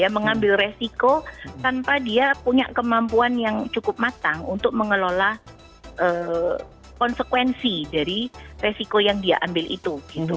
mengambil resiko tanpa dia punya kemampuan yang cukup matang untuk mengelola konsekuensi dari resiko yang dia ambil itu